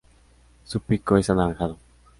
Su pico es anaranjado.